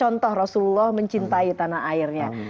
contoh rasulullah mencintai tanah airnya